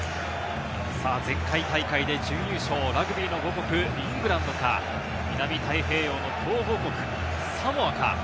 前回大会で準優勝、ラグビーの母国イングランドか、南太平洋の強豪国サモアか。